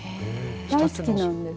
大好きなんです。